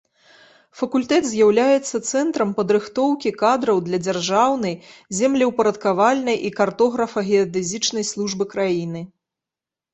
Факультэт з'яўляецца цэнтрам падрыхтоўкі кадраў для дзяржаўнай землеўпарадкавальнай і картографа-геадэзічнай службы краіны.